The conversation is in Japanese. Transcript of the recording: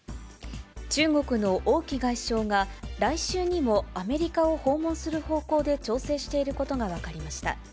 中国の王毅外相が、来週にもアメリカを訪問する方向で調整していることが分かりました。